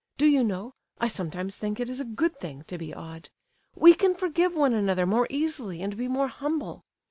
Do you know, I sometimes think it is a good thing to be odd. We can forgive one another more easily, and be more humble.